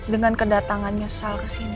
dengan kedatangan nyesel kesini